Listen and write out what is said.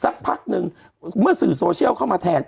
สักพักนึงเมื่อสื่อโซเชียลเข้ามาแทน